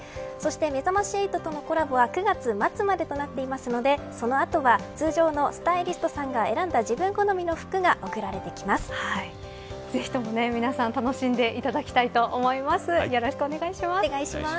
めざまし８とのコラボは９月末までとなっていますのでその後は通常のスタイリストさんが選んだぜひとも皆さん楽しんでいただきたいと思います。